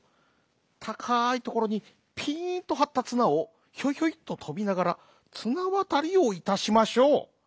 たかいところにピンとはったつなをひょいひょいっととびながらつなわたりをいたしましょう」。